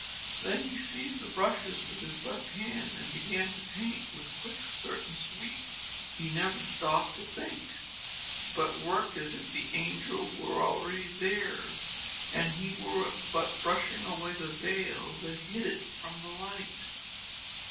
Then he seized the brushes with his left hand and began to paint with quick certain sweep. He never stopped to think, but worked as if the angel were already there, and he were but brushing away the veil that hid it from the light.